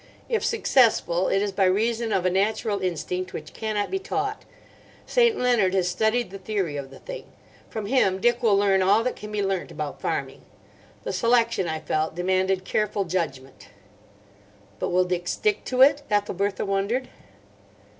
If successful, it is by reason of a natural instinct which cannot be taught. St. Leonard has studied the theory of the thing. From him Dick will learn all that can be learnt about farming. The selection, I felt, demanded careful judgment." "But will Dick stick to it?" Ethelbertha wondered.